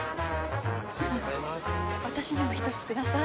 私にも１つください。